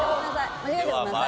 間違えたらごめんなさい。